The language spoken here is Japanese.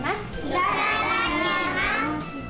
いただきます。